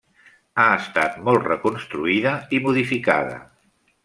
Ha estat molt reconstruïda i modificada.